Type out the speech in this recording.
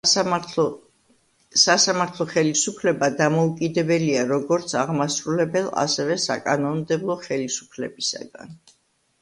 სასამართლო ხელისუფლება დამოუკიდებელია როგორც აღმასრულებელ ასევე საკანონმდებლო ხელისუფლებისგან.